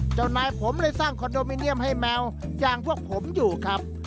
เจ้านายผมเลยสร้างคอนโดมิเนียมให้แมวอย่างพวกผมอยู่ครับ